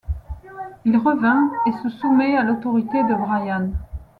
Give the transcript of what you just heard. Il revint et se soumet à l'autorité de Brian.